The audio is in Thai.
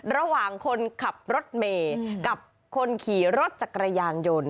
ระหว่างคนขับรถเมย์กับคนขี่รถจักรยานยนต์